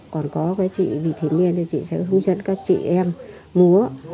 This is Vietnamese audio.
còn có cái chị vị thí miên thì chị sẽ hướng dẫn các chị em múa